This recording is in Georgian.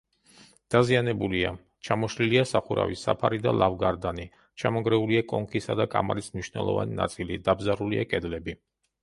დაზიანებულია: ჩამოშლილია სახურავის საფარი და ლავგარდანი, ჩამონგრეულია კონქისა და კამარის მნიშვნელოვანი ნაწილი, დაბზარულია კედლები.